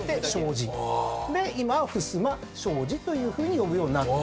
今は襖障子というふうに呼ぶようになったと。